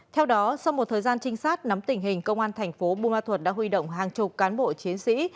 theo đó sau một thời gian trinh sát nắm tình hình công an thành phố bùa thuật đã huy động hàng chục cán bộ chiến sĩ